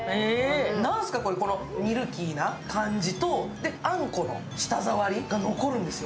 なんすか、このミルキーな感じとあんこの舌触りが残るんですよ。